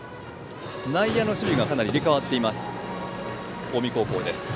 内野の守備がかなり入れ替わっています近江高校です。